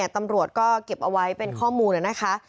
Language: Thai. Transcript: ตำรวจก็เก็บเอาไว้เป็นข้อมูลนะคะ